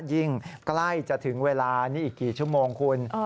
ใกล้จะถึงเวลานี้อีกกี่ชั่วโมงคุณ